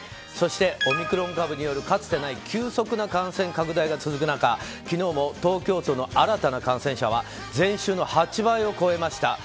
そしてオミクロン株によるかつてない急速な感染拡大が続く中昨日も東京都の新たな感染者は前週の８倍を超えました。